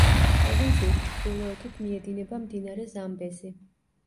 პროვინციის ჩრდილოეთით მიედინება მდინარე ზამბეზი.